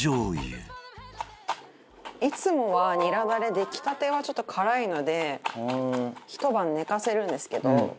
いつもはニラダレ出来たてはちょっと辛いのでひと晩寝かせるんですけど。